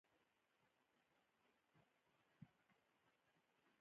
د خدای پاماني کولو سره مو دا ځای پرېښود.